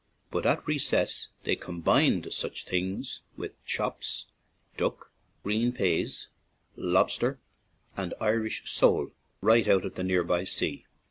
But at Recess they combined such things with chops, duck, green pease, lobster, and Irish sole right out of the near by sea.